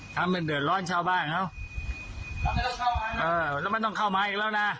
คัมเป็นเดือดร้อนชาวบ้านแล้วเออแล้วไม่ต้องเข้ามาอีกแล้วน่ะ